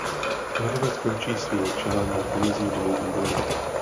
Ledovec končí svým čelem na pomezí dvou údolí.